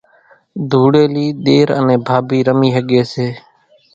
ڌوڙيلي ۮير انين ڀاڀي رمي ۿڳي سي